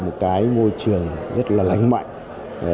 một cái môi trường rất là lãnh mạnh